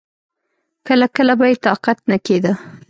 کله کله به يې طاقت نه کېده.